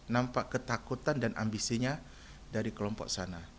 nampak ketakutan dan ambisinya dari kelompok sana